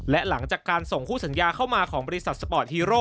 และหลังจากการส่งคู่สัญญาเข้ามาของบริษัทสปอร์ตฮีโร่